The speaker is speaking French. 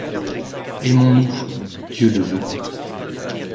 Aimons-nous ! Dieu le veut.